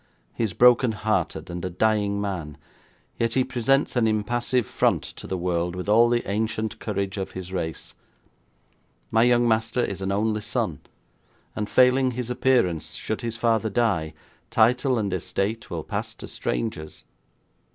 He is broken hearted, and a dying man, yet he presents an impassive front to the world, with all the ancient courage of his race. My young master is an only son, and failing his appearance, should his father die, title and estate will pass to strangers.